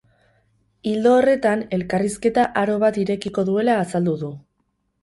Ildo horretan, elkarrizketa aro bat irekiko duela azaldu du.